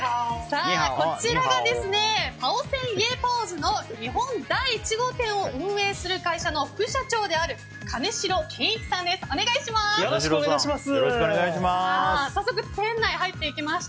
こちらがパオセンイェーパオズの日本第１号店を運営する会社の副社長である金城健一さんです。